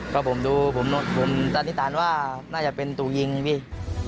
ก็ผมดูผมสันนิษฐานว่าน่าจะเป็นตู่ยิงพี่